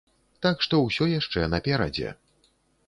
Так што ўсё яшчэ наперадзе!